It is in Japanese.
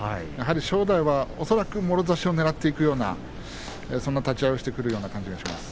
正代は恐らくもろ差しをねらっていくような立ち合いをしてくる感じがします。